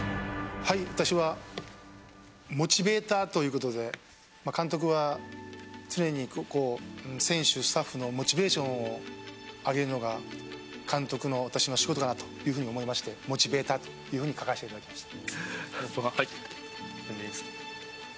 私はモチベーターということで監督は常に選手、スタッフのモチベーションを上げるのが監督の私の仕事かなと思いましてモチベーターと書かせていただきました。